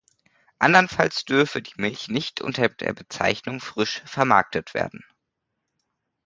Anderenfalls dürfe die Milch nicht unter der Bezeichnung „frisch“ vermarktet werden.